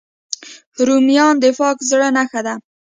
رومیان د پاک زړه نښه ده